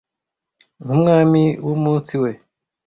nkumwambi wumunsi we